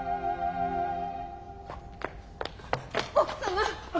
奥様！